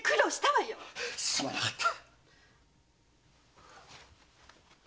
すまなかった！